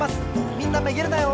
みんなめげるなよ！